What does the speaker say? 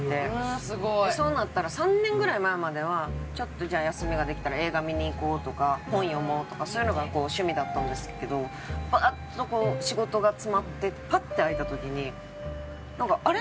そうなったら３年ぐらい前まではちょっとじゃあ休みができたら映画見に行こうとか本読もうとかそういうのが趣味だったんですけどバーッとこう仕事が詰まってパッて空いた時にあれ？